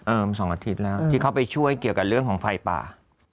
๒อาทิตย์แล้วที่เข้าไปช่วยเกี่ยวกับเรื่องของไฟป่า